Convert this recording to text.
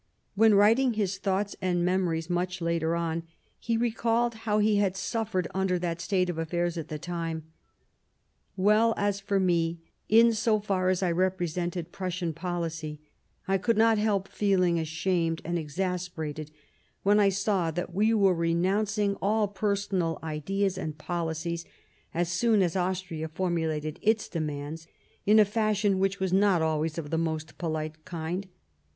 When writing his " Thoughts and Memories," much later on, he recalled how he had suffered under that state of affairs at the time :" Well, as for me, in so far as I represented Prussian policy, I could not help feeling ashamed and exasperated when I saw that we were renouncing all personal ideas and policy^ as soon as Austria formulated its demands, in a fashion which was not always of the most polite kind.